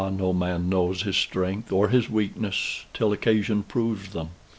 no man knows his strength or his weakness, till occasion proves them.